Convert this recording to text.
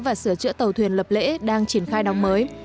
và sửa chữa tàu thuyền lập lễ đang triển khai đóng mới